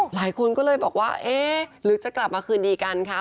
หลายคนก็เลยบอกว่าเอ๊ะหรือจะกลับมาคืนดีกันคะ